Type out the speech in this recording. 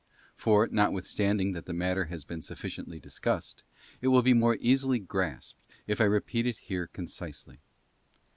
For, notwith standing that the matter has been sufficiently discussed, it will be more easily grasped, if I repeat it here concisely.